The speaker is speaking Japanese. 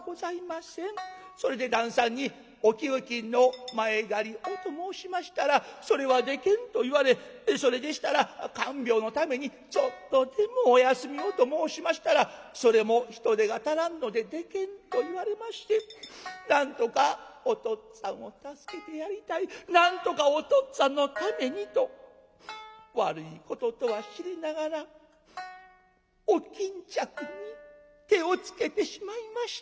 それで旦さんに『お給金の前借りを』と申しましたら『それはできん』と言われ『それでしたら看病のためにちょっとでもお休みを』と申しましたら『それも人手が足らんのでできん』と言われましてなんとかおとっつぁんを助けてやりたいなんとかおとっつぁんのためにと悪いこととは知りながらお巾着に手をつけてしまいました。